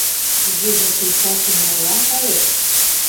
Тугеже тый таче марлан кает?